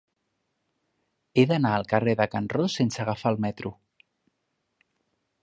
He d'anar al carrer de Can Ros sense agafar el metro.